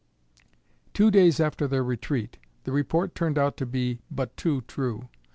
Two days after their retreat, the report turned out to be but too true.